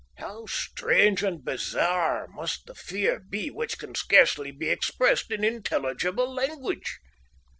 How strange and bizarre must the fear be which can scarcely be expressed in intelligible language!